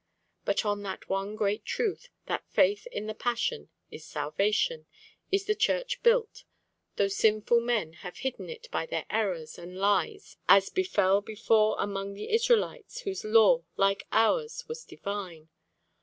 But on that one great truth, that faith in the Passion is salvation, is the Church built, though sinful men have hidden it by their errors and lies as befell before among the Israelites, whose law, like ours, was divine.